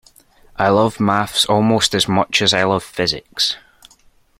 I love maths almost as much as I love physics